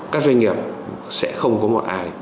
các doanh nghiệp sẽ không có một ai